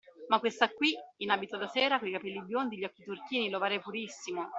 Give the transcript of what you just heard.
Ma questa qui, in abito da sera, coi capelli biondi, gli occhi turchini, l’ovale purissimo.